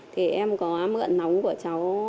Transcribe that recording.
thì em có mượn nóng của cháu